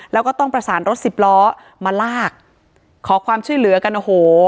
แล้วก็ต้องประสานรถสิบล้อมาลากขอความช่วยเหลือกันโอ้โห